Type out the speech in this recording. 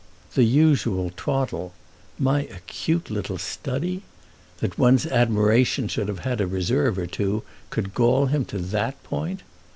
"The usual twaddle"—my acute little study! That one's admiration should have had a reserve or two could gall him to that point!